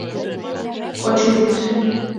Кочо вӱд.